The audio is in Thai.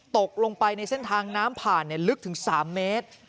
ตกลงไปในเส้นทางน้ำผ่านลึกถึง๓เมตร